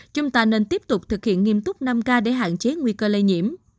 chúng ta nên tiếp tục thực hiện nghiêm túc năm k để hạn chế nguy cơ lây nhiễm